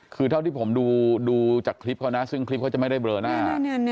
คือเท่าที่ผมดูจากคลิปเขานะซึ่งคลิปเขาจะไม่ได้เบลอหน้า